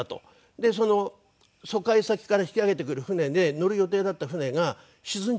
で疎開先から引き揚げてくる船で乗る予定だった船が沈んじゃって。